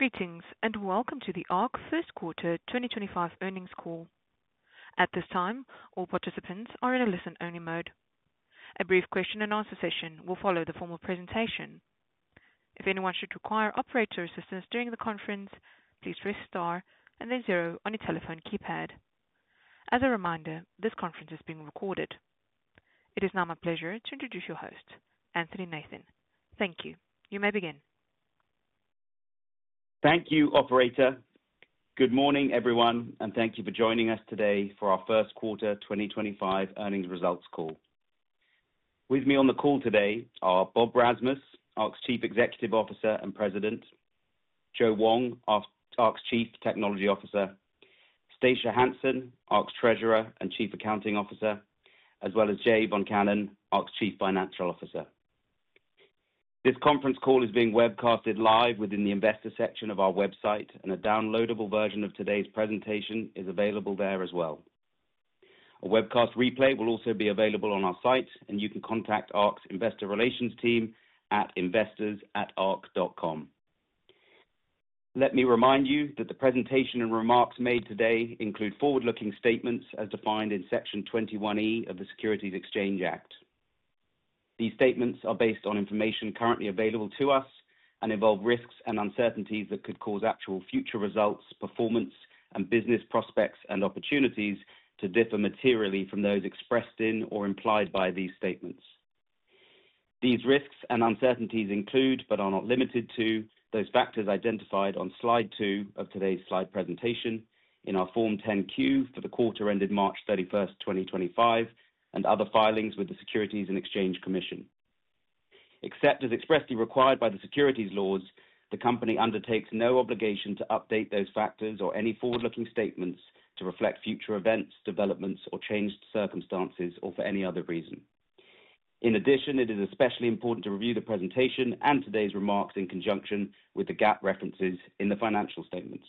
Greetings and welcome to the Arq first quarter 2025 earnings call. At this time, all participants are in a listen-only mode. A brief question-and-answer session will follow the formal presentation. If anyone should require operator assistance during the conference, please press star and then zero on your telephone keypad. As a reminder, this conference is being recorded. It is now my pleasure to introduce your host, Anthony Nathan. Thank you. You may begin. Thank you, Operator. Good morning, everyone, and thank you for joining us today for our first quarter 2025 earnings results call. With me on the call today are Bob Rasmus, Arq's Chief Executive Officer and President; Joe Wong, Arq's Chief Technology Officer; Stacia Hansen, Arq's Treasurer and Chief Accounting Officer; as well as Jay Voncannon, Arq's Chief Financial Officer. This conference call is being webcast live within the investor section of our website, and a downloadable version of today's presentation is available there as well. A webcast replay will also be available on our site, and you can contact Arq's investor relations team at investors@arq.com. Let me remind you that the presentation and remarks made today include forward-looking statements as defined in Section 21E of the Securities Exchange Act. These statements are based on information currently available to us and involve risks and uncertainties that could cause actual future results, performance, and business prospects and opportunities to differ materially from those expressed in or implied by these statements. These risks and uncertainties include, but are not limited to, those factors identified on slide two of today's slide presentation in our Form 10Q for the quarter ended March 31, 2025, and other filings with the Securities and Exchange Commission. Except as expressly required by the securities laws, the company undertakes no obligation to update those factors or any forward-looking statements to reflect future events, developments, or changed circumstances, or for any other reason. In addition, it is especially important to review the presentation and today's remarks in conjunction with the GAAP references in the financial statements.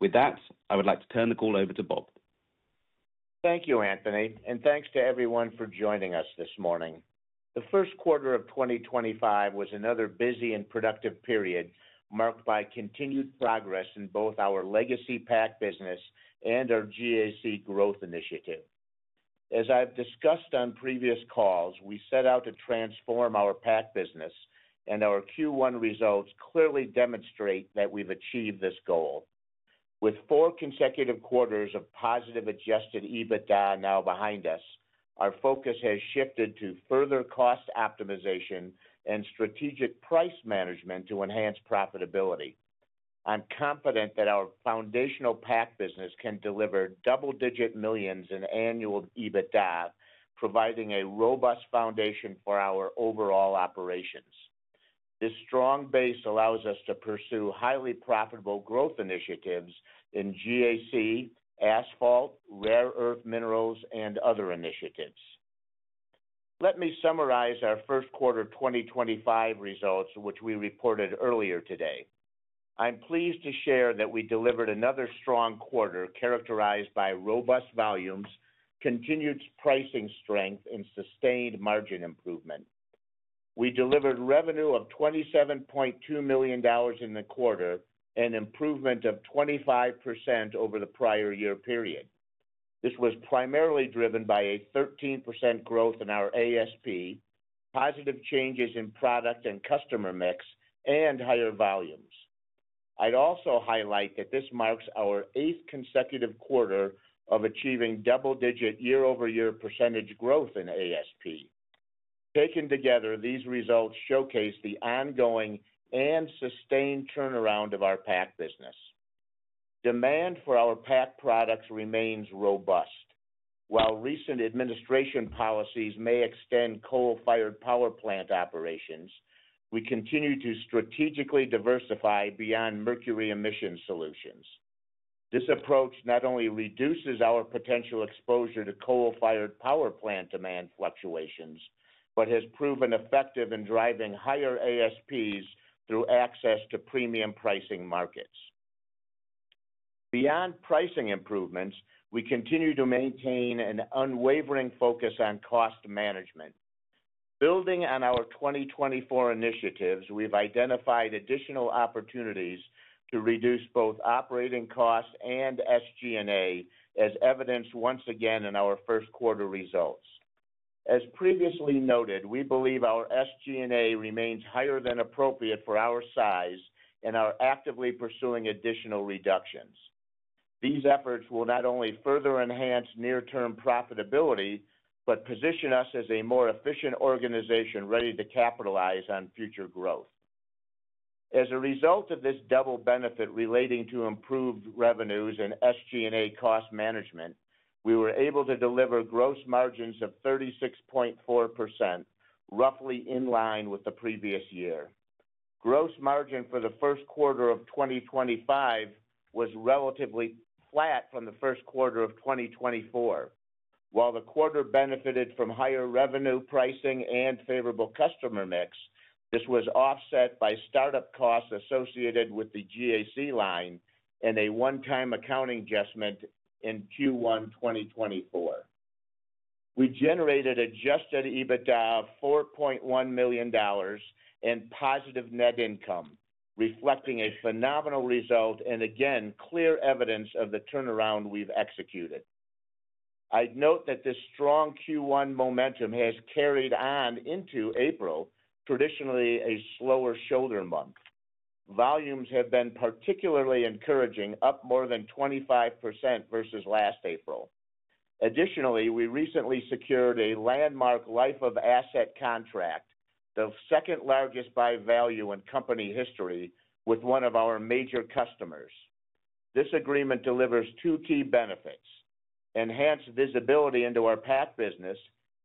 With that, I would like to turn the call over to Bob. Thank you, Anthony, and thanks to everyone for joining us this morning. The first quarter of 2025 was another busy and productive period marked by continued progress in both our legacy PAC business and our GAC growth initiative. As I've discussed on previous calls, we set out to transform our PAC business, and our Q1 results clearly demonstrate that we've achieved this goal. With four consecutive quarters of positive adjusted EBITDA now behind us, our focus has shifted to further cost optimization and strategic price management to enhance profitability. I'm confident that our foundational PAC business can deliver double-digit millions in annual EBITDA, providing a robust foundation for our overall operations. This strong base allows us to pursue highly profitable growth initiatives in GAC, asphalt, rare earth minerals, and other initiatives. Let me summarize our first quarter 2025 results, which we reported earlier today. I'm pleased to share that we delivered another strong quarter characterized by robust volumes, continued pricing strength, and sustained margin improvement. We delivered revenue of $27.2 million in the quarter, an improvement of 25% over the prior year period. This was primarily driven by a 13% growth in our ASP, positive changes in product and customer mix, and higher volumes. I'd also highlight that this marks our eighth consecutive quarter of achieving double-digit year-over-year percentage growth in ASP. Taken together, these results showcase the ongoing and sustained turnaround of our PAC business. Demand for our PAC products remains robust. While recent administration policies may extend coal-fired power plant operations, we continue to strategically diversify beyond mercury emission solutions. This approach not only reduces our potential exposure to coal-fired power plant demand fluctuations but has proven effective in driving higher ASPs through access to premium pricing markets. Beyond pricing improvements, we continue to maintain an unwavering focus on cost management. Building on our 2024 initiatives, we've identified additional opportunities to reduce both operating costs and SG&A, as evidenced once again in our first quarter results. As previously noted, we believe our SG&A remains higher than appropriate for our size and are actively pursuing additional reductions. These efforts will not only further enhance near-term profitability but position us as a more efficient organization ready to capitalize on future growth. As a result of this double benefit relating to improved revenues and SG&A cost management, we were able to deliver gross margins of 36.4%, roughly in line with the previous year. Gross margin for the first quarter of 2025 was relatively flat from the first quarter of 2024. While the quarter benefited from higher revenue, pricing, and favorable customer mix, this was offset by startup costs associated with the GAC line and a one-time accounting adjustment in Q1 2024. We generated adjusted EBITDA of $4.1 million and positive net income, reflecting a phenomenal result and, again, clear evidence of the turnaround we've executed. I'd note that this strong Q1 momentum has carried on into April, traditionally a slower shoulder month. Volumes have been particularly encouraging, up more than 25% versus last April. Additionally, we recently secured a landmark life-of-asset contract, the second largest by value in company history, with one of our major customers. This agreement delivers two key benefits: enhanced visibility into our PAC business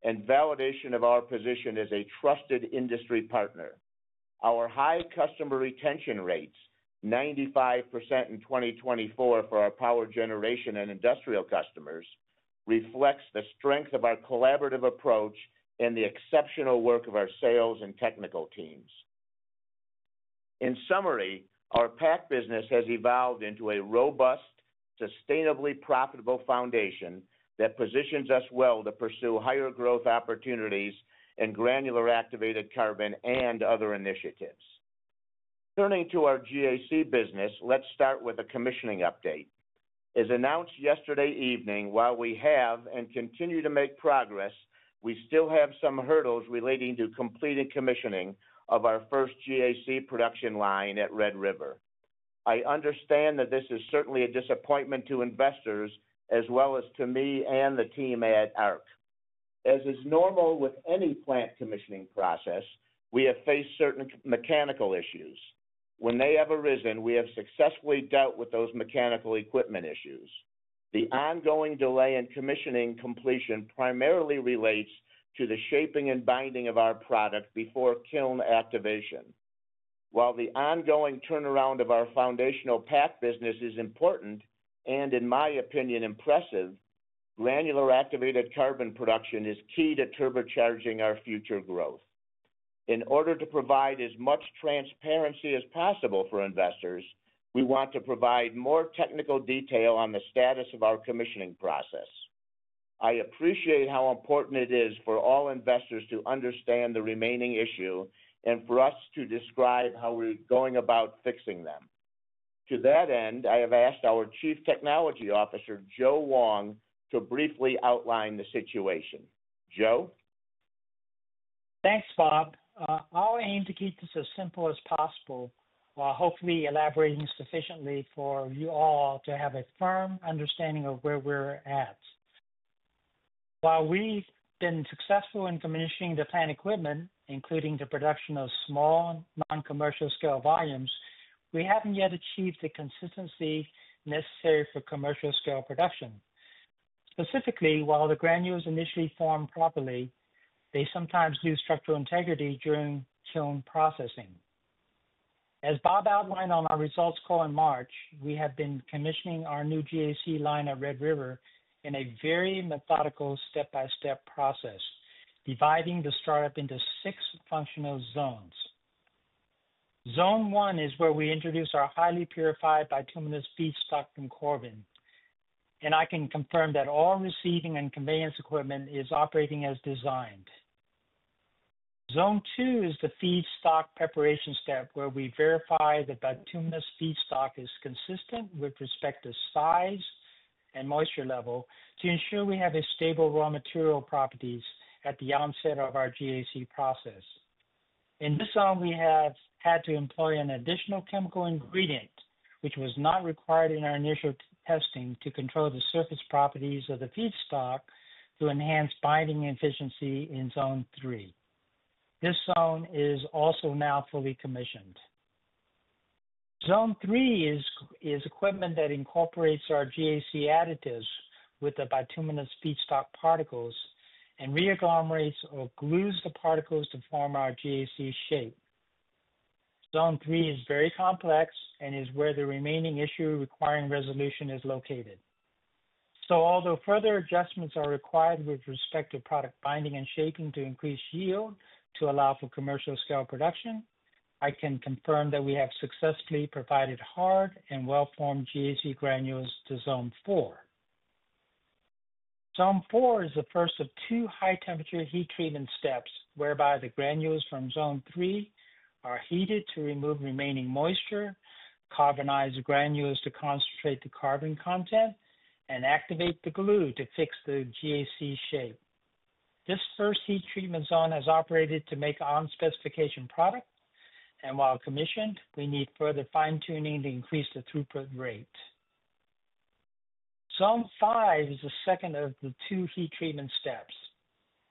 and validation of our position as a trusted industry partner. Our high customer retention rates, 95% in 2024 for our power generation and industrial customers, reflects the strength of our collaborative approach and the exceptional work of our sales and technical teams. In summary, our PAC business has evolved into a robust, sustainably profitable foundation that positions us well to pursue higher growth opportunities and Granular Activated Carbon and other initiatives. Turning to our GAC business, let's start with a commissioning update. As announced yesterday evening, while we have and continue to make progress, we still have some hurdles relating to completing commissioning of our first GAC production line at Red River. I understand that this is certainly a disappointment to investors as well as to me and the team at Arq. As is normal with any plant commissioning process, we have faced certain mechanical issues. When they have arisen, we have successfully dealt with those mechanical equipment issues. The ongoing delay in commissioning completion primarily relates to the shaping and binding of our product before kiln activation. While the ongoing turnaround of our foundational PAC business is important and, in my opinion, impressive, Granular Activated Carbon production is key to turbocharging our future growth. In order to provide as much transparency as possible for investors, we want to provide more technical detail on the status of our commissioning process. I appreciate how important it is for all investors to understand the remaining issue and for us to describe how we're going about fixing them. To that end, I have asked our Chief Technology Officer, Joe Wong, to briefly outline the situation. Joe? Thanks, Bob. I'll aim to keep this as simple as possible, while hopefully elaborating sufficiently for you all to have a firm understanding of where we're at. While we've been successful in commissioning the plant equipment, including the production of small non-commercial scale volumes, we haven't yet achieved the consistency necessary for commercial scale production. Specifically, while the granules initially form properly, they sometimes lose structural integrity during kiln processing. As Bob outlined on our results call in March, we have been commissioning our new GAC line at Red River in a very methodical step-by-step process, dividing the startup into six functional zones. Zone one is where we introduce our highly purified bituminous feedstock from Corbin, and I can confirm that all receiving and conveyance equipment is operating as designed. Zone two is the feedstock preparation step, where we verify that bituminous feedstock is consistent with respect to size and moisture level to ensure we have stable raw material properties at the onset of our GAC process. In this zone, we have had to employ an additional chemical ingredient, which was not required in our initial testing, to control the surface properties of the feedstock to enhance binding efficiency in zone three. This zone is also now fully commissioned. Zone three is equipment that incorporates our GAC additives with the bituminous feedstock particles and re-agglomerates or glues the particles to form our GAC shape. Zone three is very complex and is where the remaining issue requiring resolution is located. Although further adjustments are required with respect to product binding and shaping to increase yield to allow for commercial scale production, I can confirm that we have successfully provided hard and well-formed GAC granules to zone four. Zone four is the first of two high-temperature heat treatment steps, whereby the granules from zone three are heated to remove remaining moisture, carbonize the granules to concentrate the carbon content, and activate the glue to fix the GAC shape. This first heat treatment zone has operated to make on-specification product, and while commissioned, we need further fine-tuning to increase the throughput rate. Zone five is the second of the two heat treatment steps.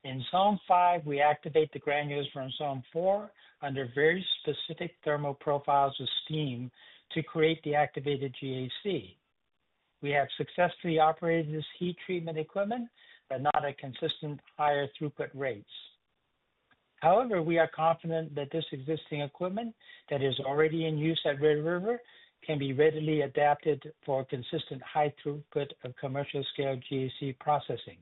In zone five, we activate the granules from zone four under very specific thermal profiles of steam to create the activated GAC. We have successfully operated this heat treatment equipment, but not at consistent higher throughput rates. However, we are confident that this existing equipment that is already in use at Red River can be readily adapted for consistent high throughput of commercial scale GAC processing.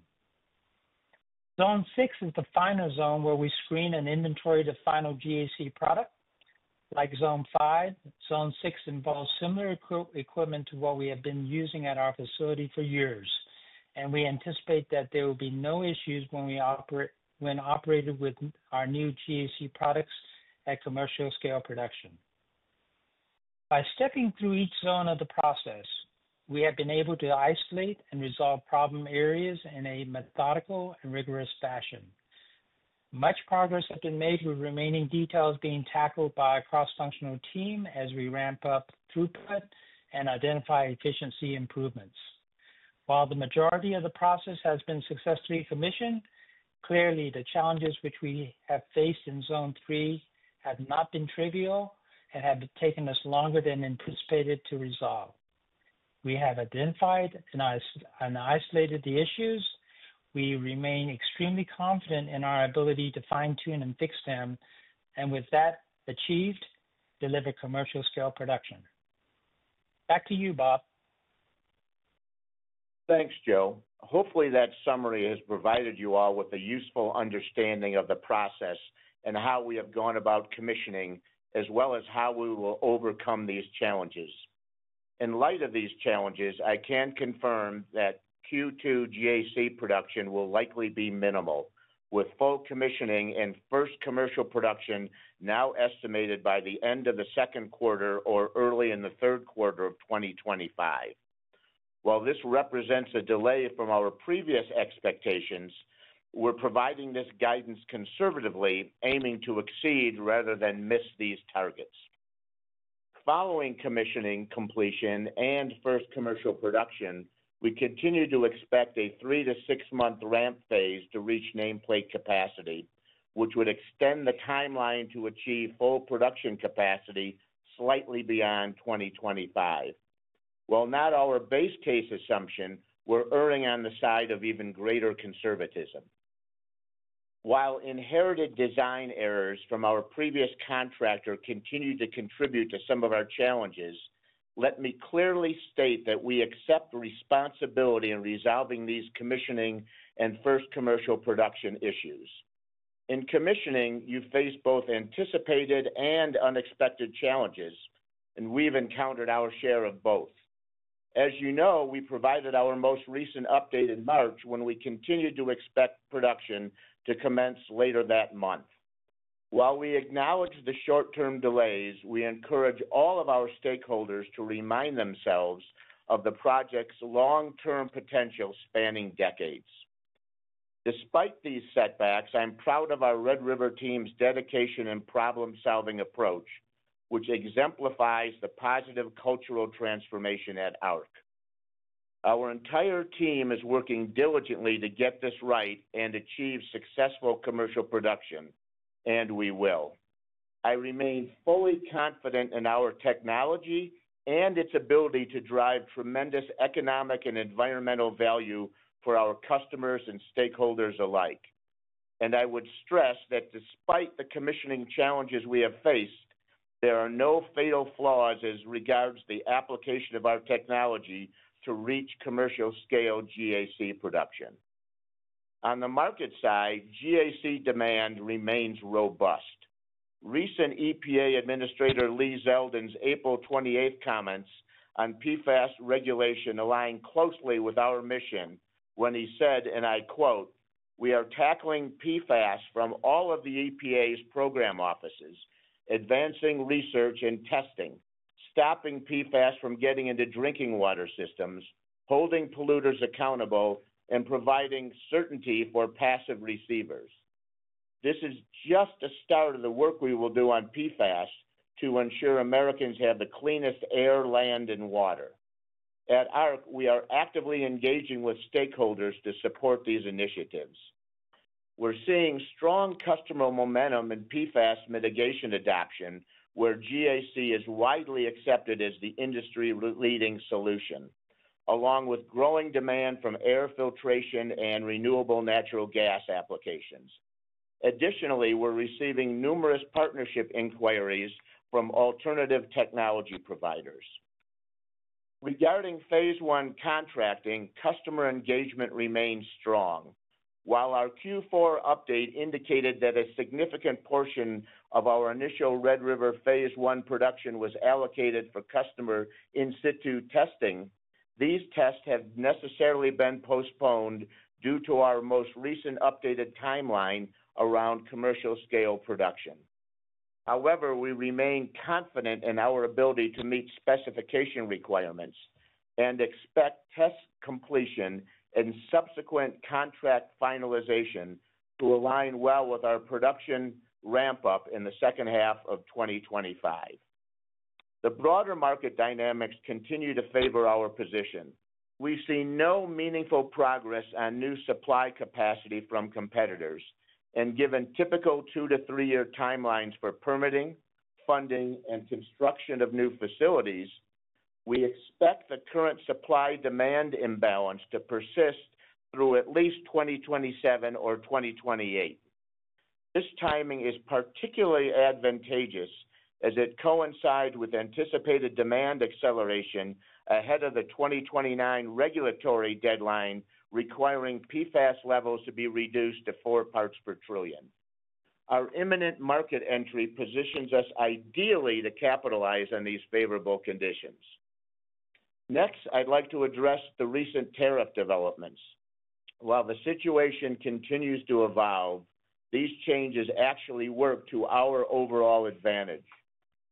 Zone six is the final zone where we screen and inventory the final GAC product. Like zone five, zone six involves similar equipment to what we have been using at our facility for years, and we anticipate that there will be no issues when we operate with our new GAC products at commercial scale production. By stepping through each zone of the process, we have been able to isolate and resolve problem areas in a methodical and rigorous fashion. Much progress has been made, with remaining details being tackled by a cross-functional team as we ramp up throughput and identify efficiency improvements. While the majority of the process has been successfully commissioned, clearly, the challenges which we have faced in zone three have not been trivial and have taken us longer than anticipated to resolve. We have identified and isolated the issues. We remain extremely confident in our ability to fine-tune and fix them and, with that achieved, deliver commercial scale production. Back to you, Bob. Thanks, Joe. Hopefully, that summary has provided you all with a useful understanding of the process and how we have gone about commissioning, as well as how we will overcome these challenges. In light of these challenges, I can confirm that Q2 GAC production will likely be minimal, with full commissioning and first commercial production now estimated by the end of the second quarter or early in the third quarter of 2025. While this represents a delay from our previous expectations, we're providing this guidance conservatively, aiming to exceed rather than miss these targets. Following commissioning completion and first commercial production, we continue to expect a three- to six-month ramp phase to reach nameplate capacity, which would extend the timeline to achieve full production capacity slightly beyond 2025. While not our base case assumption, we're erring on the side of even greater conservatism. While inherited design errors from our previous contractor continue to contribute to some of our challenges, let me clearly state that we accept responsibility in resolving these commissioning and first commercial production issues. In commissioning, you have faced both anticipated and unexpected challenges, and we have encountered our share of both. As you know, we provided our most recent update in March when we continue to expect production to commence later that month. While we acknowledge the short-term delays, we encourage all of our stakeholders to remind themselves of the project's long-term potential spanning decades. Despite these setbacks, I am proud of our Red River team's dedication and problem-solving approach, which exemplifies the positive cultural transformation at Arq. Our entire team is working diligently to get this right and achieve successful commercial production, and we will. I remain fully confident in our technology and its ability to drive tremendous economic and environmental value for our customers and stakeholders alike. I would stress that despite the commissioning challenges we have faced, there are no fatal flaws as regards the application of our technology to reach commercial scale GAC production. On the market side, GAC demand remains robust. Recent EPA Administrator Lee Zeldin's April 28 comments on PFAS regulation align closely with our mission when he said, and I quote, "We are tackling PFAS from all of the EPA's program offices, advancing research and testing, stopping PFAS from getting into drinking water systems, holding polluters accountable, and providing certainty for passive receivers." This is just a start of the work we will do on PFAS to ensure Americans have the cleanest air, land, and water. At Arq, we are actively engaging with stakeholders to support these initiatives. We're seeing strong customer momentum in PFAS mitigation adoption, where GAC is widely accepted as the industry-leading solution, along with growing demand from air filtration and Renewable Natural Gas applications. Additionally, we're receiving numerous partnership inquiries from alternative technology providers. Regarding phase one contracting, customer engagement remains strong. While our Q4 update indicated that a significant portion of our initial Red River phase one production was allocated for customer in-situ testing, these tests have necessarily been postponed due to our most recent updated timeline around commercial scale production. However, we remain confident in our ability to meet specification requirements and expect test completion and subsequent contract finalization to align well with our production ramp-up in the second half of 2025. The broader market dynamics continue to favor our position. have seen no meaningful progress on new supply capacity from competitors, and given typical two- to three-year timelines for permitting, funding, and construction of new facilities, we expect the current supply-demand imbalance to persist through at least 2027 or 2028. This timing is particularly advantageous as it coincides with anticipated demand acceleration ahead of the 2029 regulatory deadline requiring PFAS levels to be reduced to four parts per trillion. Our imminent market entry positions us ideally to capitalize on these favorable conditions. Next, I would like to address the recent tariff developments. While the situation continues to evolve, these changes actually work to our overall advantage.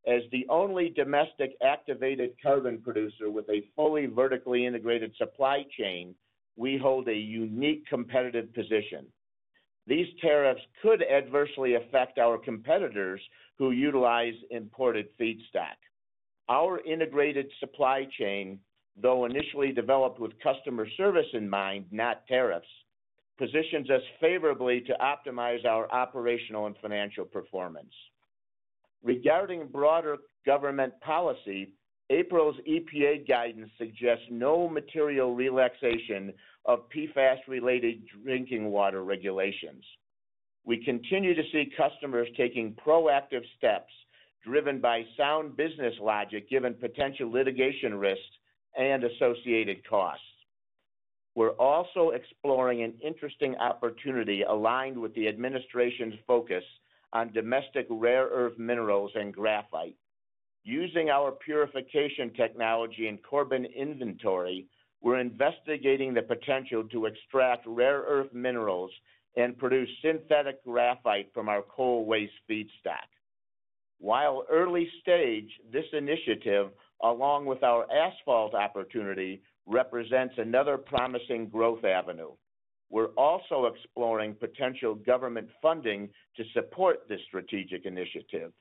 As the only domestic activated carbon producer with a fully vertically integrated supply chain, we hold a unique competitive position. These tariffs could adversely affect our competitors who utilize imported feedstock. Our integrated supply chain, though initially developed with customer service in mind, not tariffs, positions us favorably to optimize our operational and financial performance. Regarding broader government policy, April's EPA guidance suggests no material relaxation of PFAS-related drinking water regulations. We continue to see customers taking proactive steps driven by sound business logic given potential litigation risks and associated costs. We are also exploring an interesting opportunity aligned with the administration's focus on domestic rare earth minerals and graphite. Using our purification technology and Corbin inventory, we are investigating the potential to extract rare earth minerals and produce synthetic graphite from our coal waste feedstock. While early stage, this initiative, along with our asphalt opportunity, represents another promising growth avenue. We are also exploring potential government funding to support this strategic initiative.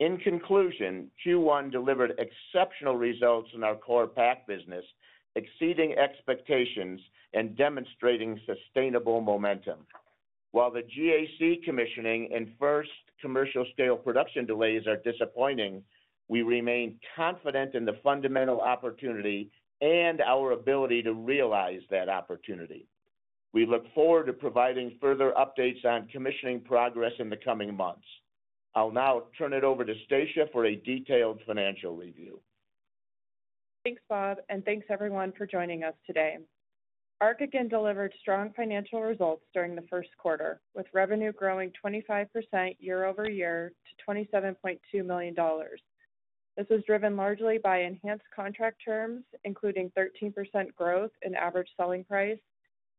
In conclusion, Q1 delivered exceptional results in our core PAC business, exceeding expectations and demonstrating sustainable momentum. While the GAC commissioning and first commercial scale production delays are disappointing, we remain confident in the fundamental opportunity and our ability to realize that opportunity. We look forward to providing further updates on commissioning progress in the coming months. I'll now turn it over to Stacia for a detailed financial review. Thanks, Bob, and thanks everyone for joining us today. Arq again delivered strong financial results during the first quarter, with revenue growing 25% year over year to $27.2 million. This was driven largely by enhanced contract terms, including 13% growth in average selling price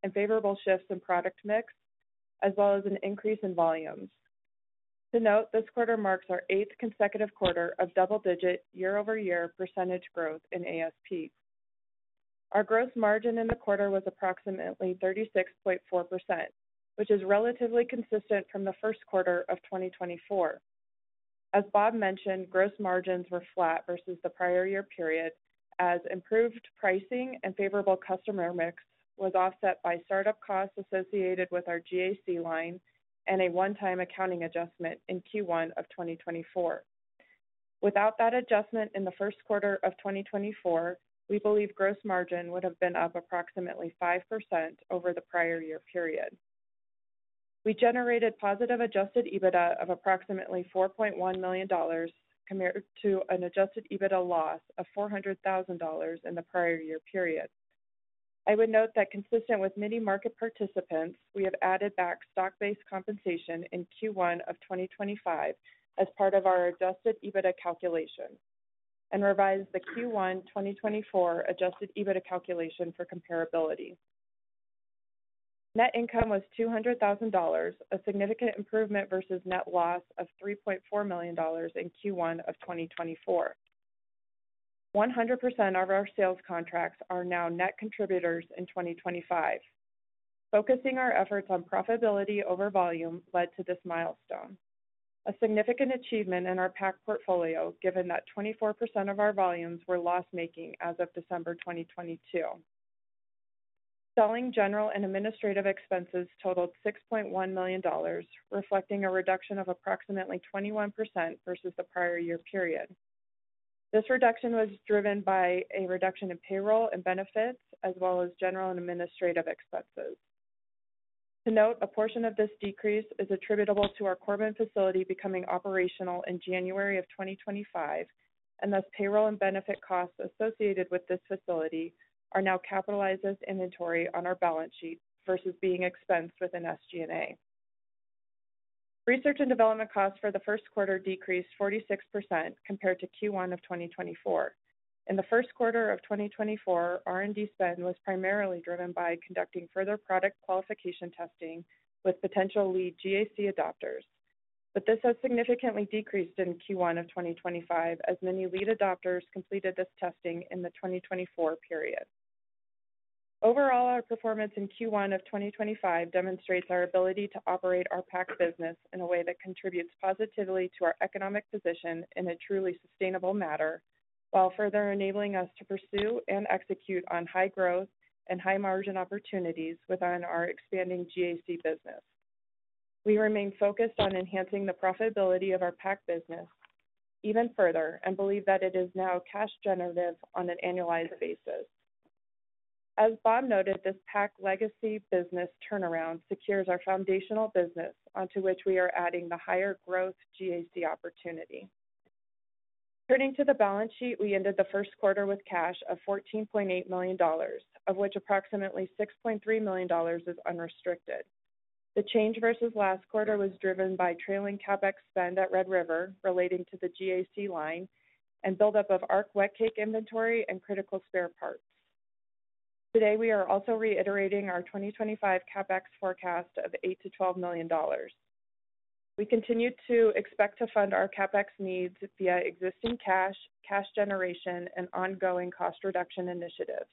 and favorable shifts in product mix, as well as an increase in volumes. To note, this quarter marks our eighth consecutive quarter of double-digit year-over-year percentage growth in ASP. Our gross margin in the quarter was approximately 36.4%, which is relatively consistent from the first quarter of 2024. As Bob mentioned, gross margins were flat versus the prior year period, as improved pricing and favorable customer mix was offset by startup costs associated with our GAC line and a one-time accounting adjustment in Q1 of 2024. Without that adjustment in the first quarter of 2024, we believe gross margin would have been up approximately 5% over the prior year period. We generated positive adjusted EBITDA of approximately $4.1 million compared to an adjusted EBITDA loss of $400,000 in the prior year period. I would note that consistent with many market participants, we have added back stock-based compensation in Q1 of 2025 as part of our adjusted EBITDA calculation and revised the Q1 2024 adjusted EBITDA calculation for comparability. Net income was $200,000, a significant improvement versus net loss of $3.4 million in Q1 of 2024. 100% of our sales contracts are now net contributors in 2025. Focusing our efforts on profitability over volume led to this milestone, a significant achievement in our PAC portfolio given that 24% of our volumes were loss-making as of December 2022. Selling, general and administrative expenses totaled $6.1 million, reflecting a reduction of approximately 21% versus the prior year period. This reduction was driven by a reduction in payroll and benefits, as well as general and administrative expenses. To note, a portion of this decrease is attributable to our Corbin facility becoming operational in January of 2025, and thus payroll and benefit costs associated with this facility are now capitalized as inventory on our balance sheet versus being expensed within SG&A. Research and development costs for the first quarter decreased 46% compared to Q1 of 2024. In the first quarter of 2024, R&D spend was primarily driven by conducting further product qualification testing with potential lead GAC adopters, but this has significantly decreased in Q1 of 2025 as many lead adopters completed this testing in the 2024 period. Overall, our performance in Q1 of 2025 demonstrates our ability to operate our PAC business in a way that contributes positively to our economic position in a truly sustainable manner while further enabling us to pursue and execute on high growth and high-margin opportunities within our expanding GAC business. We remain focused on enhancing the profitability of our PAC business even further and believe that it is now cash-generative on an annualized basis. As Bob noted, this PAC legacy business turnaround secures our foundational business onto which we are adding the higher growth GAC opportunity. Turning to the balance sheet, we ended the first quarter with cash of $14.8 million, of which approximately $6.3 million is unrestricted. The change versus last quarter was driven by trailing CapEx spend at Red River relating to the GAC line and buildup of Arq Wetcake inventory and critical spare parts. Today, we are also reiterating our 2025 CapEx forecast of $8million-$12 million. We continue to expect to fund our CapEx needs via existing cash, cash generation, and ongoing cost reduction initiatives.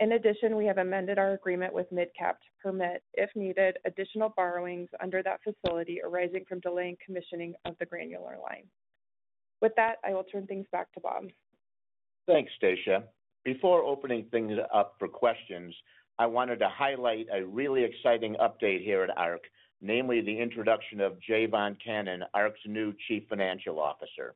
In addition, we have amended our agreement with MidCap to permit, if needed, additional borrowings under that facility arising from delaying commissioning of the granular line. With that, I will turn things back to Bob. Thanks, Stacia. Before opening things up for questions, I wanted to highlight a really exciting update here at Arq, namely the introduction of Jay Voncannon, Arq's new Chief Financial Officer.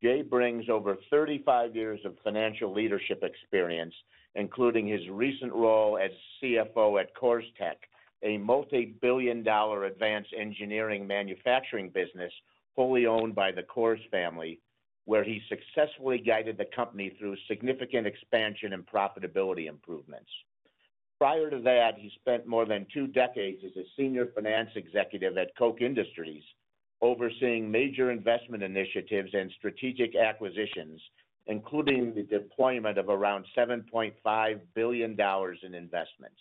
Jay brings over 35 years of financial leadership experience, including his recent role as CFO at CoorsTek, a multi-billion-dollar advanced engineering manufacturing business fully owned by the Coors family, where he successfully guided the company through significant expansion and profitability improvements. Prior to that, he spent more than two decades as a senior finance executive at Koch Industries, overseeing major investment initiatives and strategic acquisitions, including the deployment of around $7.5 billion in investments.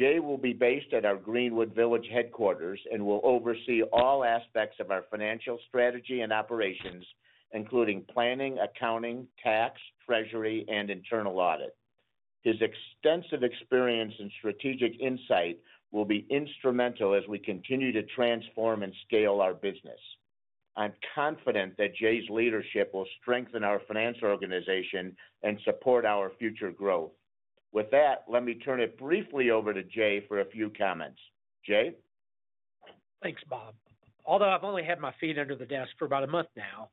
Jay will be based at our Greenwood Village headquarters and will oversee all aspects of our financial strategy and operations, including planning, accounting, tax, treasury, and internal audit. His extensive experience and strategic insight will be instrumental as we continue to transform and scale our business. I'm confident that Jay's leadership will strengthen our finance organization and support our future growth. With that, let me turn it briefly over to Jay for a few comments. Jay? Thanks, Bob. Although I've only had my feet under the desk for about a month now,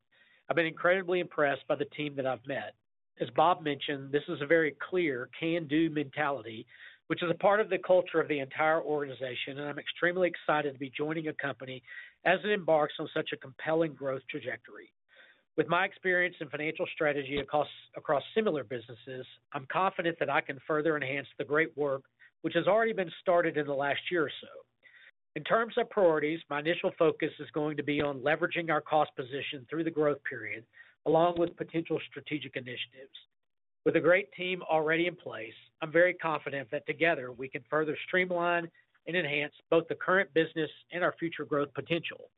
I've been incredibly impressed by the team that I've met. As Bob mentioned, this is a very clear can-do mentality, which is a part of the culture of the entire organization, and I'm extremely excited to be joining a company as it embarks on such a compelling growth trajectory. With my experience in financial strategy across similar businesses, I'm confident that I can further enhance the great work which has already been started in the last year or so. In terms of priorities, my initial focus is going to be on leveraging our cost position through the growth period, along with potential strategic initiatives. With a great team already in place, I'm very confident that together we can further streamline and enhance both the current business and our future growth potential.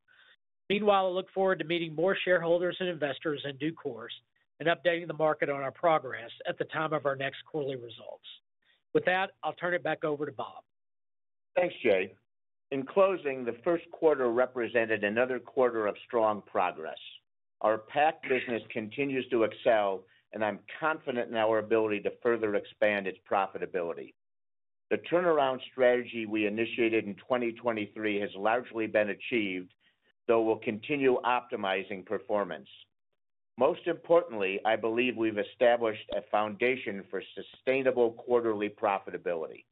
Meanwhile, I look forward to meeting more shareholders and investors in due course and updating the market on our progress at the time of our next quarterly results. With that, I'll turn it back over to Bob. Thanks, Jay. In closing, the first quarter represented another quarter of strong progress. Our PAC business continues to excel, and I'm confident in our ability to further expand its profitability. The turnaround strategy we initiated in 2023 has largely been achieved, though we'll continue optimizing performance. Most importantly, I believe we've established a foundation for sustainable quarterly profitability.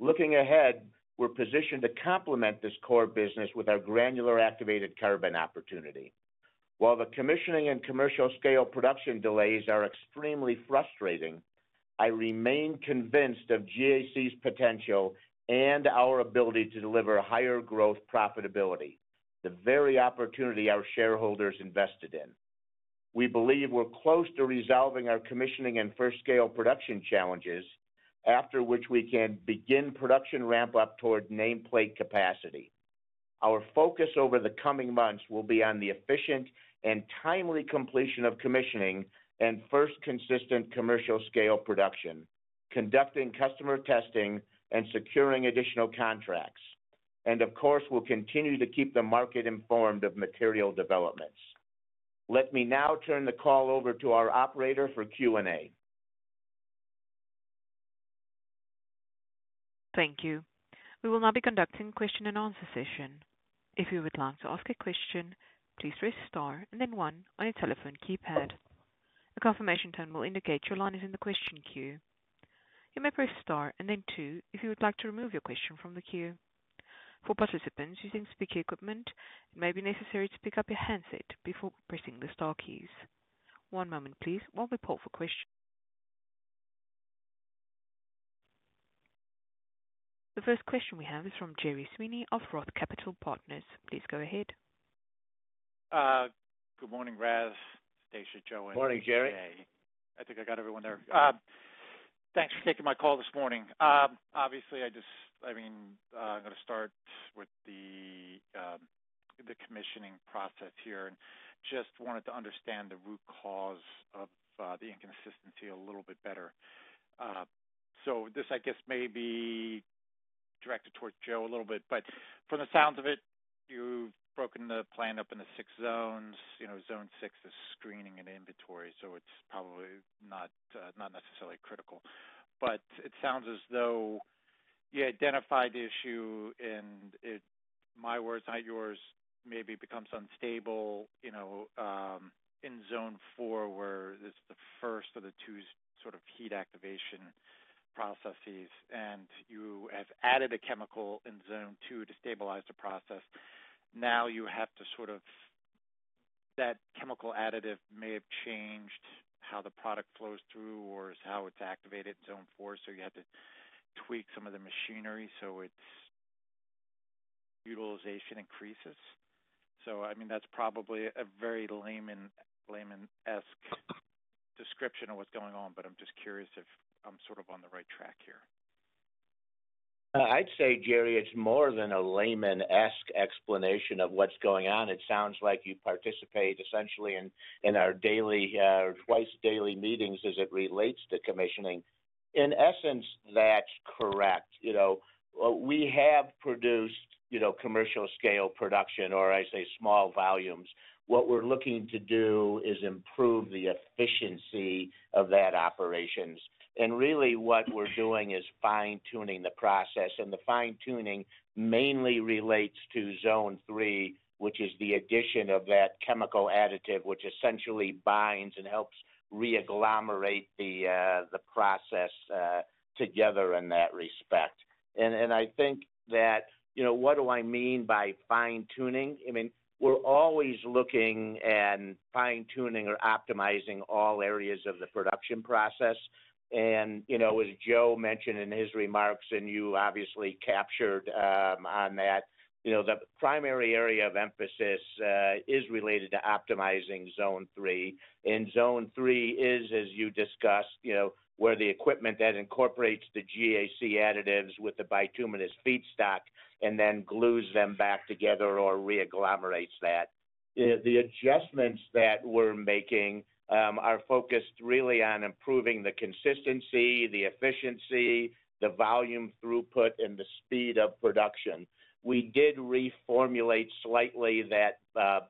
Looking ahead, we're positioned to complement this core business with our Granular Activated Carbon opportunity. While the commissioning and commercial scale production delays are extremely frustrating, I remain convinced of GAC's potential and our ability to deliver higher growth profitability, the very opportunity our shareholders invested in. We believe we're close to resolving our commissioning and first scale production challenges, after which we can begin production ramp-up toward nameplate capacity. Our focus over the coming months will be on the efficient and timely completion of commissioning and first consistent commercial scale production, conducting customer testing and securing additional contracts. Of course, we'll continue to keep the market informed of material developments. Let me now turn the call over to our operator for Q&A. Thank you. We will now be conducting a question and answer session. If you would like to ask a question, please press star and then one on your telephone keypad. A confirmation tone will indicate your line is in the question queue. You may press star and then two if you would like to remove your question from the queue. For participants using speaker equipment, it may be necessary to pick up your handset before pressing the star keys. One moment, please. While we pull up a question. The first question we have is from Gerry Sweeney of Roth Capital Partners. Please go ahead. Good morning, Raz. Stacia, Joe and. Morning, Jerry. Yeah. I think I got everyone there. Thanks for taking my call this morning. Obviously, I mean, I'm going to start with the commissioning process here and just wanted to understand the root cause of the inconsistency a little bit better. So this, I guess, may be directed towards Joe a little bit, but from the sounds of it, you've broken the plan up into six zones. Zone six is screening and inventory, so it's probably not necessarily critical. But it sounds as though you identified the issue, and my words, not yours, maybe it becomes unstable in zone four, where this is the first of the two sort of heat activation processes, and you have added a chemical in zone two to stabilize the process. Now you have to sort of, that chemical additive may have changed how the product flows through or is how it's activated in zone four, so you had to tweak some of the machinery so its utilization increases. I mean, that's probably a very layman-esque description of what's going on, but I'm just curious if I'm sort of on the right track here. I'd say, Jerry, it's more than a layman-esque explanation of what's going on. It sounds like you participate essentially in our daily, twice-daily meetings as it relates to commissioning. In essence, that's correct. We have produced commercial scale production, or I say small volumes. What we're looking to do is improve the efficiency of that operations. Really, what we're doing is fine-tuning the process, and the fine-tuning mainly relates to zone three, which is the addition of that chemical additive which essentially binds and helps re-agglomerate the process together in that respect. I think that what do I mean by fine-tuning? I mean, we're always looking at fine-tuning or optimizing all areas of the production process. As Joe mentioned in his remarks, and you obviously captured on that, the primary area of emphasis is related to optimizing zone three. Zone three is, as you discussed, where the equipment that incorporates the GAC additives with the bituminous feedstock and then glues them back together or re-agglomerates that. The adjustments that we're making are focused really on improving the consistency, the efficiency, the volume throughput, and the speed of production. We did reformulate slightly that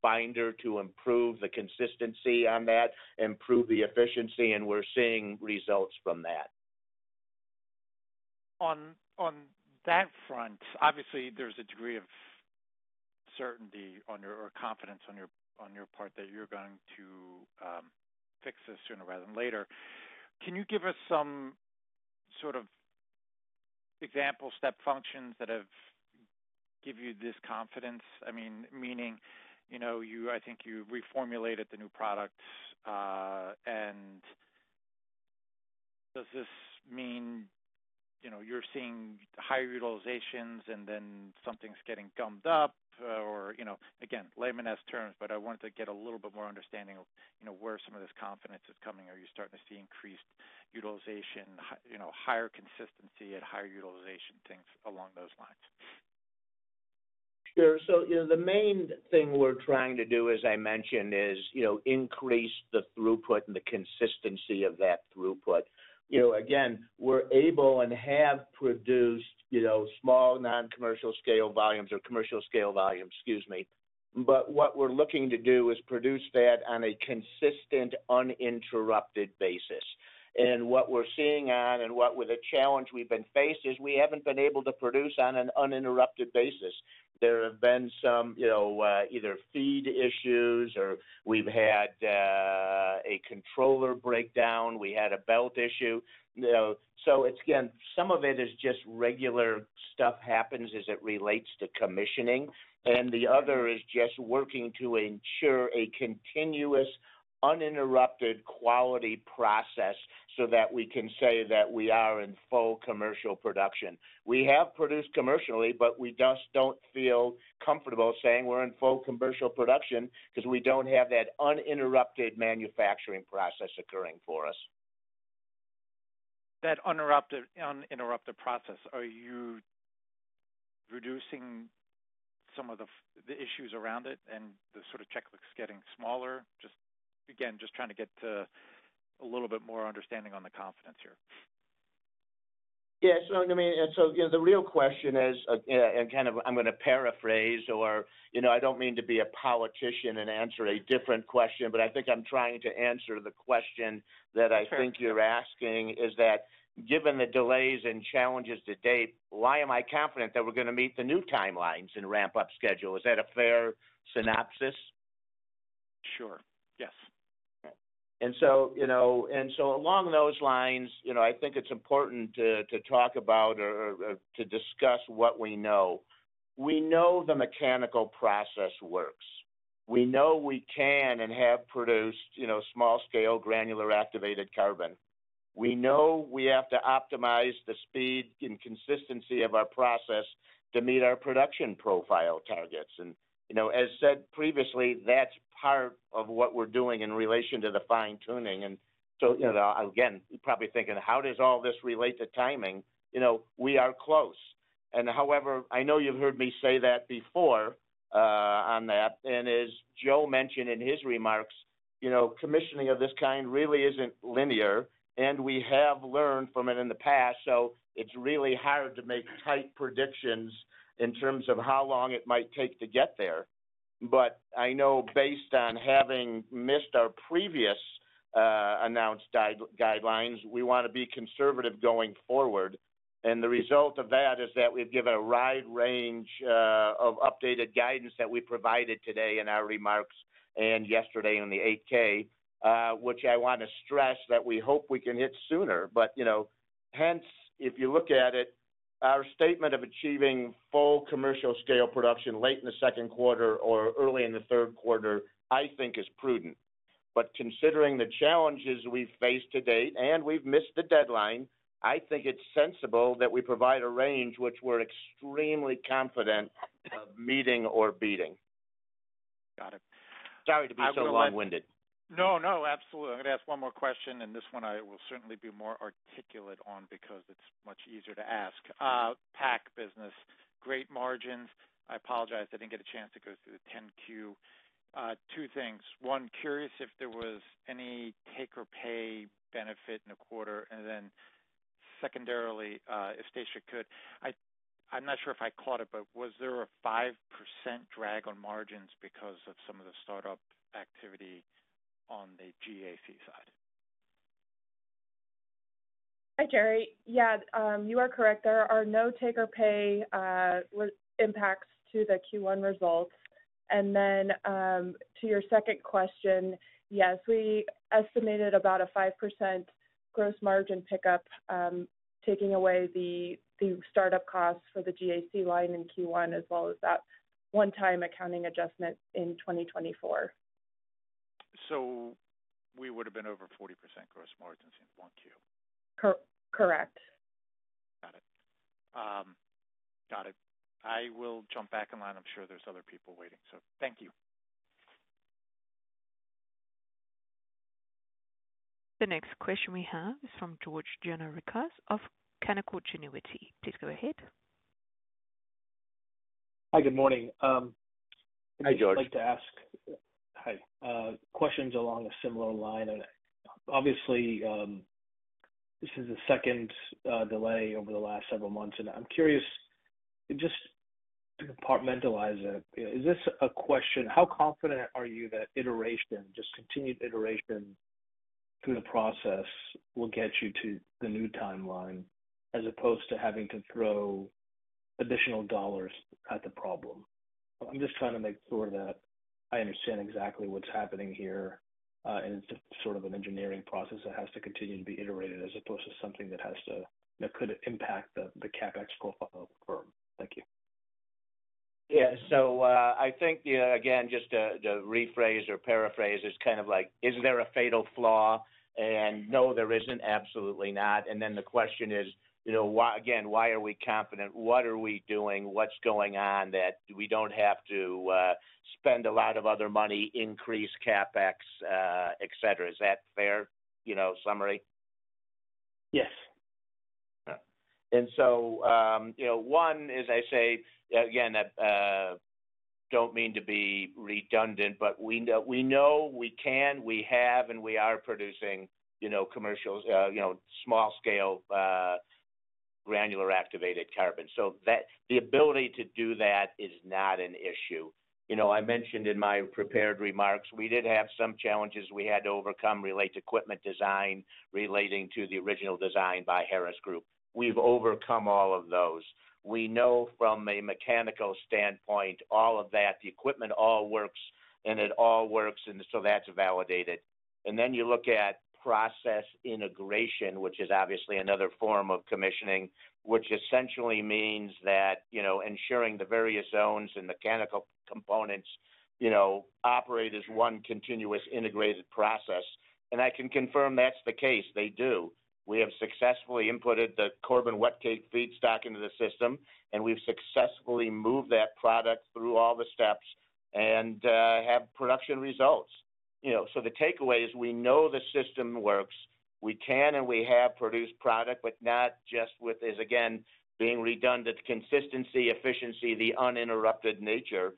binder to improve the consistency on that, improve the efficiency, and we're seeing results from that. On that front, obviously, there's a degree of certainty or confidence on your part that you're going to fix this sooner rather than later. Can you give us some sort of example step functions that have given you this confidence? I mean, I think you reformulated the new product, and does this mean you're seeing higher utilizations and then something's getting gummed up? Or again, layman-esque terms, but I wanted to get a little bit more understanding of where some of this confidence is coming. Are you starting to see increased utilization, higher consistency at higher utilization, things along those lines? Sure. The main thing we're trying to do, as I mentioned, is increase the throughput and the consistency of that throughput. Again, we're able and have produced small non-commercial scale volumes or commercial scale volumes, excuse me. What we're looking to do is produce that on a consistent, uninterrupted basis. What we're seeing and what the challenge we've been faced is we haven't been able to produce on an uninterrupted basis. There have been some either feed issues or we've had a controller breakdown. We had a belt issue. Some of it is just regular stuff happens as it relates to commissioning. The other is just working to ensure a continuous, uninterrupted quality process so that we can say that we are in full commercial production. We have produced commercially, but we just don't feel comfortable saying we're in full commercial production because we don't have that uninterrupted manufacturing process occurring for us. That uninterrupted process, are you reducing some of the issues around it and the sort of checklist getting smaller? Just again, just trying to get a little bit more understanding on the confidence here. Yes. I mean, the real question is, and kind of I'm going to paraphrase, or I don't mean to be a politician and answer a different question, but I think I'm trying to answer the question that I think you're asking is that given the delays and challenges to date, why am I confident that we're going to meet the new timelines and ramp-up schedule? Is that a fair synopsis? Sure. Yes. Along those lines, I think it is important to talk about or to discuss what we know. We know the mechanical process works. We know we can and have produced small-scale Granular Activated Carbon. We know we have to optimize the speed and consistency of our process to meet our production profile targets. As said previously, that is part of what we are doing in relation to the fine-tuning. Again, you are probably thinking, how does all this relate to timing? We are close. However, I know you have heard me say that before on that. As Joe mentioned in his remarks, commissioning of this kind really is not linear, and we have learned from it in the past. It is really hard to make tight predictions in terms of how long it might take to get there. I know based on having missed our previous announced guidelines, we want to be conservative going forward. The result of that is that we've given a wide range of updated guidance that we provided today in our remarks and yesterday on the 8K, which I want to stress that we hope we can hit sooner. If you look at it, our statement of achieving full commercial scale production late in the second quarter or early in the third quarter, I think, is prudent. Considering the challenges we've faced to date and we've missed the deadline, I think it's sensible that we provide a range which we're extremely confident of meeting or beating. Got it. Sorry to be so long-winded. No, no, absolutely. I'm going to ask one more question, and this one I will certainly be more articulate on because it's much easier to ask. PAC business, great margins. I apologize. I didn't get a chance to go through the 10Q. Two things. One, curious if there was any take-or-pay benefit in the quarter. And then secondarily, if Stacia could, I'm not sure if I caught it, but was there a 5% drag on margins because of some of the startup activity on the GAC side? Hi, Jerry. Yeah, you are correct. There are no take-or-pay impacts to the Q1 results. To your second question, yes, we estimated about a 5% gross margin pickup taking away the startup costs for the GAC line in Q1 as well as that one-time accounting adjustment in 2024. We would have been over 40% gross margins in one Q? Correct. Got it. Got it. I will jump back in line. I'm sure there's other people waiting, so thank you. The next question we have is from George Gianarikas of Canaccord Genuity. Please go ahead. Hi, good morning. Hi, George. I'd like to ask questions along a similar line. Obviously, this is the second delay over the last several months, and I'm curious, just to compartmentalize it, is this a question: how confident are you that iteration, just continued iteration through the process, will get you to the new timeline as opposed to having to throw additional dollars at the problem? I'm just trying to make sure that I understand exactly what's happening here, and it's just sort of an engineering process that has to continue to be iterated as opposed to something that could impact the CapEx profile of the firm. Thank you. Yeah. I think, again, just to rephrase or paraphrase, it's kind of like, is there a fatal flaw? No, there isn't. Absolutely not. The question is, again, why are we confident? What are we doing? What's going on that we don't have to spend a lot of other money, increase CapEx, etc.? Is that a fair summary? Yes. As I say again, I do not mean to be redundant, but we know we can, we have, and we are producing commercial small-scale Granular Activated Carbon. The ability to do that is not an issue. I mentioned in my prepared remarks, we did have some challenges we had to overcome related to equipment design relating to the original design by Harris Group. We have overcome all of those. We know from a mechanical standpoint, all of that, the equipment all works, and it all works, so that is validated. You look at process integration, which is obviously another form of commissioning, which essentially means ensuring the various zones and mechanical components operate as one continuous integrated process. I can confirm that is the case. They do. We have successfully inputted the Corbin Wetcake feedstock into the system, and we've successfully moved that product through all the steps and have production results. The takeaway is we know the system works. We can and we have produced product, but not just with, as again, being redundant, consistency, efficiency, the uninterrupted nature.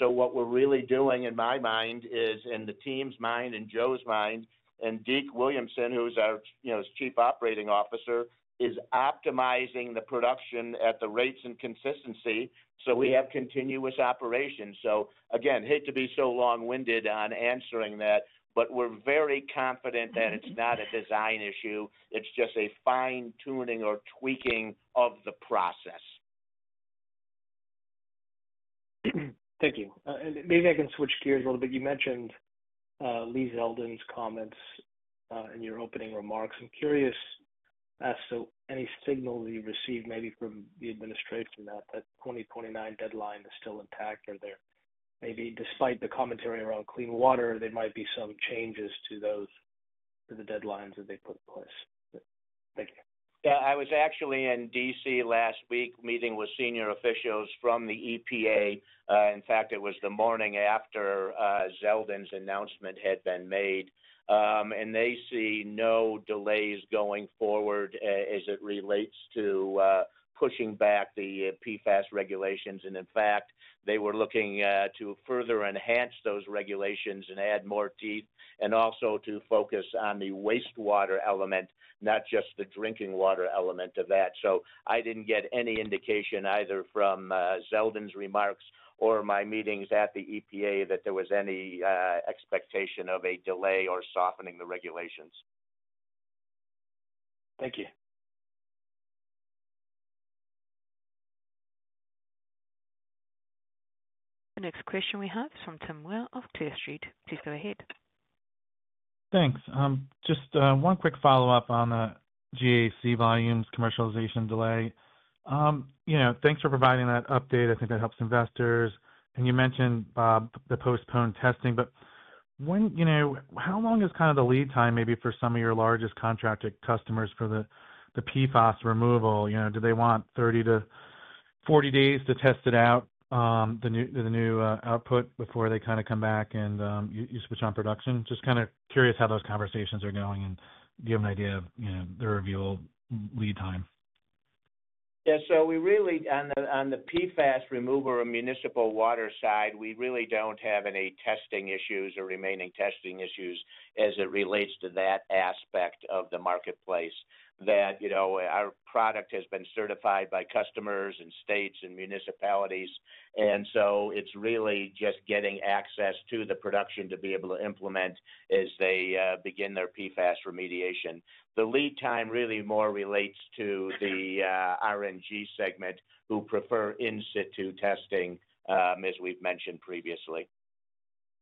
What we're really doing in my mind is, in the team's mind and Joe's mind, and Deke Williamson, who's our Chief Operating Officer, is optimizing the production at the rates and consistency so we have continuous operations. Again, hate to be so long-winded on answering that, but we're very confident that it's not a design issue. It's just a fine-tuning or tweaking of the process. Thank you. Maybe I can switch gears a little bit. You mentioned Lee Zeldin's comments in your opening remarks. I'm curious as to any signal you received maybe from the administration that that 2029 deadline is still intact or there may be, despite the commentary around clean water, there might be some changes to the deadlines that they put in place. Thank you. Yeah. I was actually in Washington, D.C. last week meeting with senior officials from the EPA. In fact, it was the morning after Zeldin's announcement had been made. They see no delays going forward as it relates to pushing back the PFAS regulations. In fact, they were looking to further enhance those regulations and add more teeth and also to focus on the wastewater element, not just the drinking water element of that. I didn't get any indication either from Zeldin's remarks or my meetings at the EPA that there was any expectation of a delay or softening the regulations. Thank you. The next question we have is from Tom Ware of Clear Street. Please go ahead. Thanks. Just one quick follow-up on the GAC volumes commercialization delay. Thanks for providing that update. I think that helps investors. You mentioned the postponed testing, but how long is kind of the lead time maybe for some of your largest contracted customers for the PFAS removal? Do they want 30-40 days to test it out, the new output, before they kind of come back and you switch on production? Just kind of curious how those conversations are going and give you an idea of the review lead time. Yeah. So we really, on the PFAS removal or municipal water side, we really do not have any testing issues or remaining testing issues as it relates to that aspect of the marketplace that our product has been certified by customers and states and municipalities. It is really just getting access to the production to be able to implement as they begin their PFAS remediation. The lead time really more relates to the RNG segment who prefer in-situ testing, as we have mentioned previously.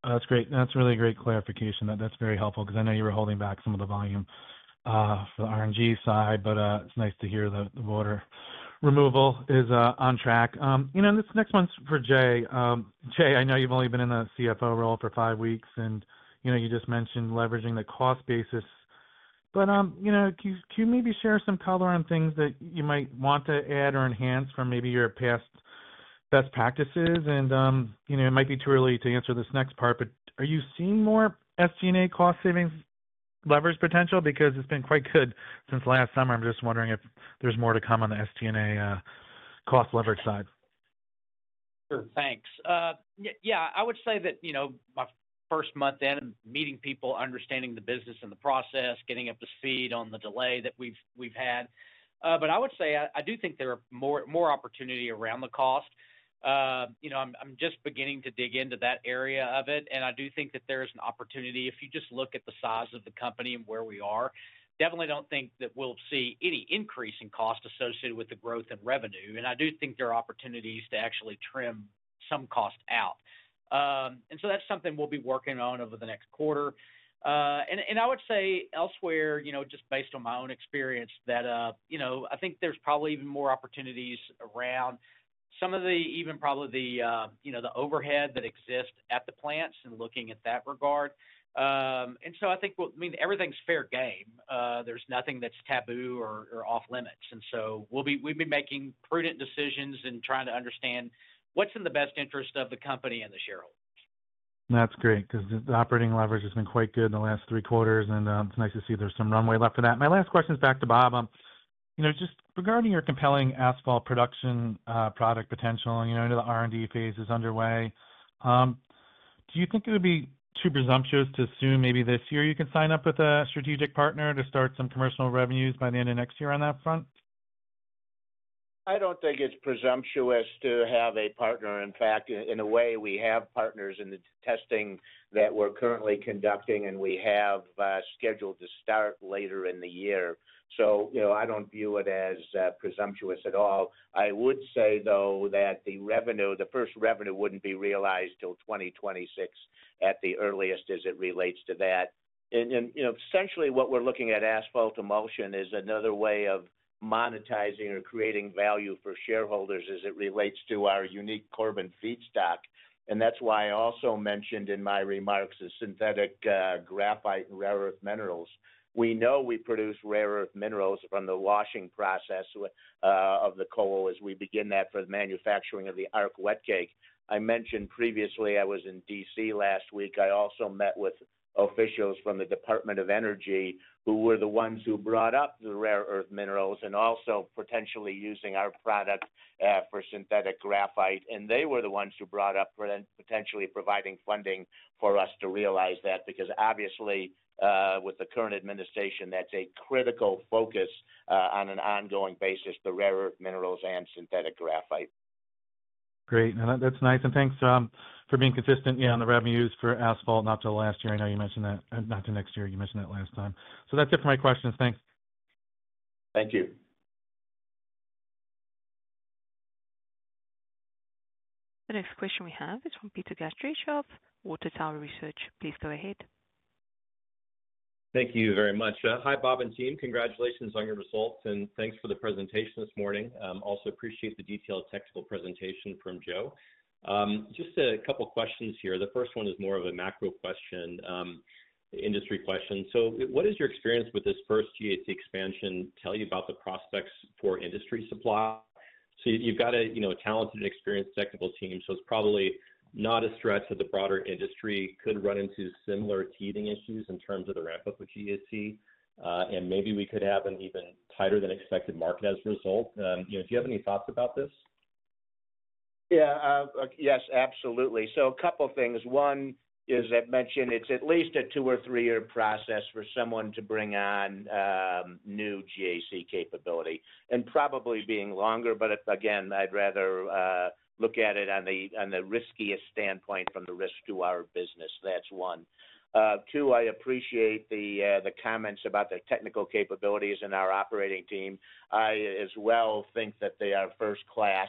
That's great. That's really great clarification. That's very helpful because I know you were holding back some of the volume for the RNG side, but it's nice to hear that the water removal is on track. This next one's for Jay. Jay, I know you've only been in the CFO role for five weeks, and you just mentioned leveraging the cost basis. Can you maybe share some color on things that you might want to add or enhance from maybe your past best practices? It might be too early to answer this next part, but are you seeing more SG&A cost savings leverage potential? It's been quite good since last summer. I'm just wondering if there's more to come on the SG&A cost leverage side. Sure. Thanks. Yeah. I would say that my first month in, meeting people, understanding the business and the process, getting up to speed on the delay that we've had. I would say I do think there are more opportunity around the cost. I'm just beginning to dig into that area of it, and I do think that there is an opportunity. If you just look at the size of the company and where we are, definitely don't think that we'll see any increase in cost associated with the growth in revenue. I do think there are opportunities to actually trim some cost out. That's something we'll be working on over the next quarter. I would say elsewhere, just based on my own experience, that I think there's probably even more opportunities around some of the even probably the overhead that exists at the plants and looking at that regard. I think, I mean, everything's fair game. There's nothing that's taboo or off-limits. We've been making prudent decisions and trying to understand what's in the best interest of the company and the shareholders. That's great because the operating leverage has been quite good in the last three quarters, and it's nice to see there's some runway left for that. My last question is back to Bob. Just regarding your compelling asphalt production product potential, the R&D phase is underway. Do you think it would be too presumptuous to assume maybe this year you can sign up with a strategic partner to start some commercial revenues by the end of next year on that front? I don't think it's presumptuous to have a partner. In fact, in a way, we have partners in the testing that we're currently conducting, and we have scheduled to start later in the year. I don't view it as presumptuous at all. I would say, though, that the first revenue wouldn't be realized till 2026 at the earliest as it relates to that. Essentially, what we're looking at, asphalt emulsion, is another way of monetizing or creating value for shareholders as it relates to our unique Corbin feedstock. That's why I also mentioned in my remarks the synthetic graphite and rare earth minerals. We know we produce rare earth minerals from the washing process of the coal as we begin that for the manufacturing of the Arc Wetcake. I mentioned previously I was in DC last week. I also met with officials from the Department of Energy who were the ones who brought up the rare earth minerals and also potentially using our product for synthetic graphite. They were the ones who brought up potentially providing funding for us to realize that because, obviously, with the current administration, that's a critical focus on an ongoing basis, the rare earth minerals and synthetic graphite. Great. That's nice. Thanks for being consistent on the revenues for asphalt not till next year. You mentioned that last time. That's it for my questions. Thanks. Thank you. The next question we have is from Peter Gastreich of Water Tower Research. Please go ahead. Thank you very much. Hi, Bob and team. Congratulations on your results, and thanks for the presentation this morning. Also appreciate the detailed technical presentation from Joe. Just a couple of questions here. The first one is more of a macro question, industry question. What does your experience with this first GAC expansion tell you about the prospects for industry supply? You have a talented and experienced technical team, so it's probably not a stretch that the broader industry could run into similar teething issues in terms of the ramp-up with GAC, and maybe we could have an even tighter-than-expected market as a result. Do you have any thoughts about this? Yeah. Yes, absolutely. A couple of things. One is I've mentioned it's at least a two or three-year process for someone to bring on new GAC capability. Probably being longer, but again, I'd rather look at it on the riskiest standpoint from the risk to our business. That's one. Two, I appreciate the comments about their technical capabilities and our operating team. I as well think that they are first-class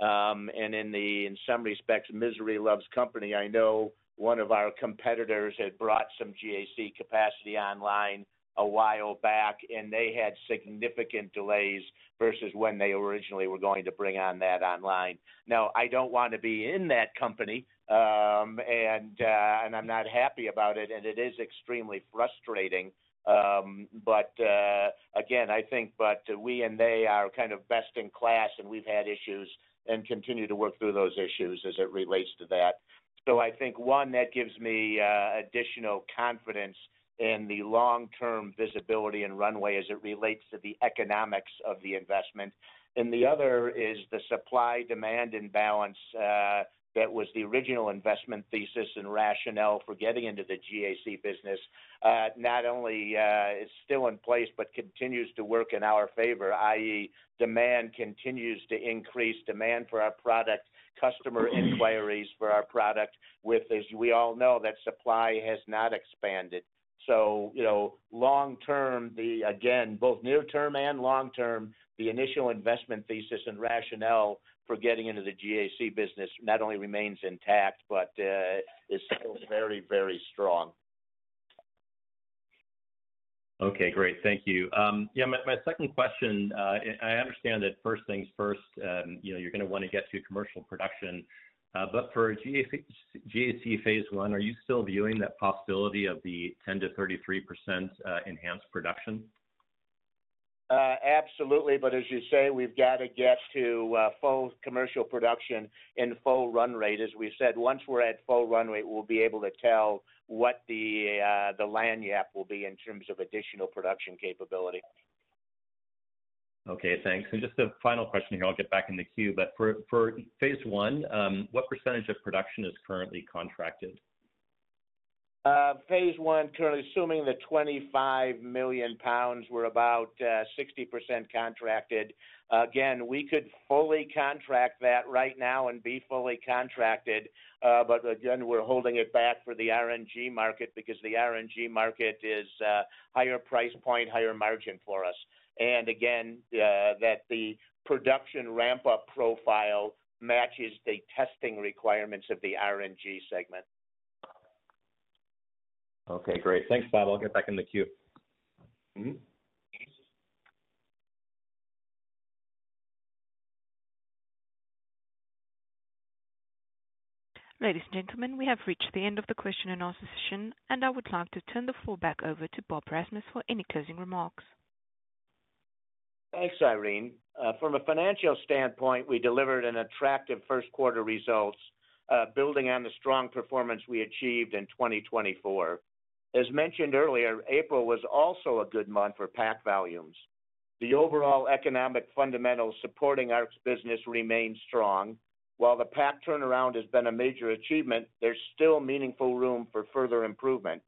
and in some respects, misery loves company. I know one of our competitors had brought some GAC capacity online a while back, and they had significant delays versus when they originally were going to bring that online. I do not want to be in that company, and I'm not happy about it, and it is extremely frustrating. Again, I think we and they are kind of best in class, and we've had issues and continue to work through those issues as it relates to that. I think, one, that gives me additional confidence in the long-term visibility and runway as it relates to the economics of the investment. The other is the supply-demand imbalance that was the original investment thesis and rationale for getting into the GAC business. Not only is it still in place, but it continues to work in our favor, i.e., demand continues to increase, demand for our product, customer inquiries for our product, as we all know that supply has not expanded. Long-term, again, both near-term and long-term, the initial investment thesis and rationale for getting into the GAC business not only remains intact, but is still very, very strong. Okay. Great. Thank you. Yeah. My second question, I understand that first things first, you're going to want to get to commercial production. For GAC phase one, are you still viewing that possibility of the 10-33% enhanced production? Absolutely. As you say, we've got to get to full commercial production in full run rate. As we said, once we're at full run rate, we'll be able to tell what the land gap will be in terms of additional production capability. Okay. Thanks. Just a final question here. I'll get back in the queue. For phase one, what percentage of production is currently contracted? Phase one, currently assuming the $25 million, we're about 60% contracted. Again, we could fully contract that right now and be fully contracted. Again, we're holding it back for the RNG market because the RNG market is a higher price point, higher margin for us. Again, the production ramp-up profile matches the testing requirements of the RNG segment. Okay. Great. Thanks, Bob. I'll get back in the queue. Ladies and gentlemen, we have reached the end of the question and answer session, and I would like to turn the floor back over to Bob Rasmus for any closing remarks. Thanks, Irene. From a financial standpoint, we delivered an attractive first-quarter result building on the strong performance we achieved in 2024. As mentioned earlier, April was also a good month for PAC volumes. The overall economic fundamentals supporting our business remain strong. While the PAC turnaround has been a major achievement, there's still meaningful room for further improvement,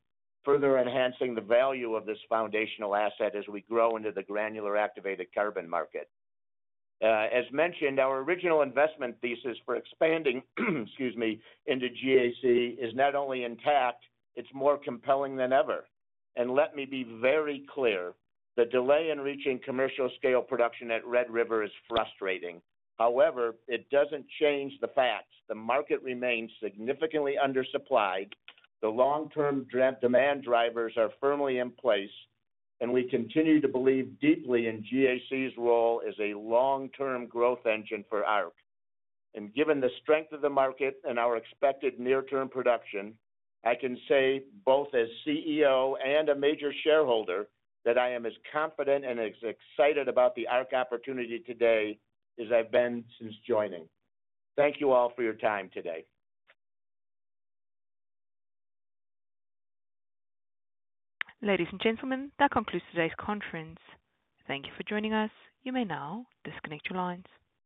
further enhancing the value of this foundational asset as we grow into the Granular Activated Carbon market. As mentioned, our original investment thesis for expanding into GAC is not only intact, it's more compelling than ever. Let me be very clear, the delay in reaching commercial-scale production at Red River is frustrating. However, it doesn't change the facts. The market remains significantly undersupplied. The long-term demand drivers are firmly in place, and we continue to believe deeply in GAC's role as a long-term growth engine for Arq. Given the strength of the market and our expected near-term production, I can say both as CEO and a major shareholder that I am as confident and as excited about the Arq opportunity today as I've been since joining. Thank you all for your time today. Ladies and gentlemen, that concludes today's conference. Thank you for joining us. You may now disconnect your lines.